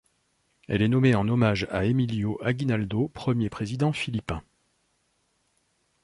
Elle est nommée en hommage à Emilio Aguinaldo, premier président philippin.